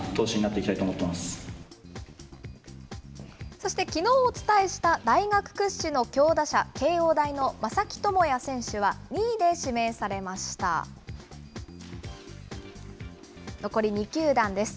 そしてきのうお伝えした大学屈指の強打者、慶応大の正木智也選手は２位で指名されました。